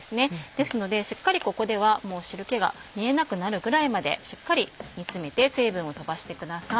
ですのでしっかりここでは汁気が見えなくなるぐらいまでしっかり煮詰めて水分を飛ばしてください。